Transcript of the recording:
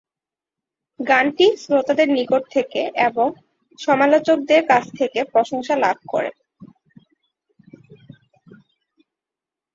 গানটি শ্রোতাদের নিকট থেকে এবং সমালোচকদের কাছ থেকে প্রশংসা লাভ করে।